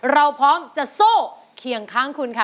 เราพร้อมจะสู้เคียงข้างคุณค่ะ